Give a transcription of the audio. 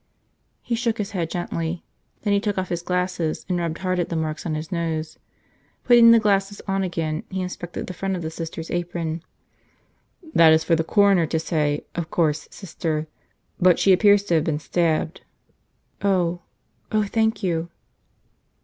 He shook his head gently. Then he took off his glasses and rubbed hard at the marks on his nose. Putting the glasses on again, he inspected the front of the Sister's apron. "That is for the coroner to say, of course, Sister. But she appears to have been stabbed." "Oh. Oh, thank you."